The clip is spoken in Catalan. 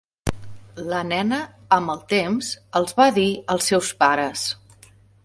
La nena amb el temps els va dir als seus pares.